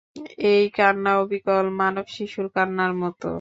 এই কান্না অবিকল মানবশিশুর কান্নার মতো।